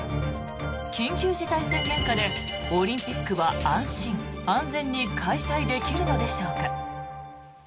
緊急事態宣言下でオリンピックは安心安全に開催できるのでしょうか。